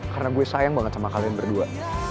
karena gue sayang banget sama kalian berdua